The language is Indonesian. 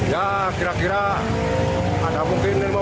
ya kira kira ada mungkin lima belas penumpang